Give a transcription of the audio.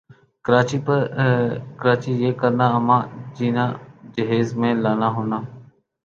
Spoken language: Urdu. کراچی یِہ کرنا اماں جینا جہیز میں لانا ہونا